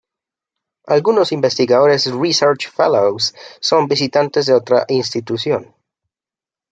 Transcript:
Algunos investigadores "research fellows" son visitantes de otra institución.